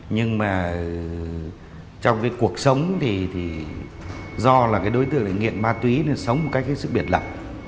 nhưng mà trong cái cuộc sống thì do là cái đối tượng nghiện ma túy nên sống một cách hết sức biệt lập